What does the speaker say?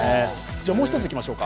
もう一ついきましょうか。